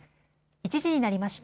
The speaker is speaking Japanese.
１時になりました。